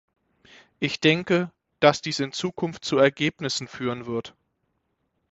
Ich denke, dass dies in Zukunft zu Ergebnissen führen wird.